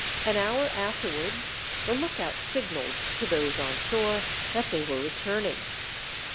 An hour afterwards, the lookout signalled to those on shore that they were returning.